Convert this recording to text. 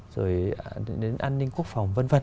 rồi đến an ninh quốc phòng v v